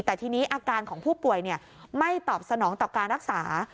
แต่ทีนี้อาการของผู้ป่วยไม่ตอบสนองต่อการรักษา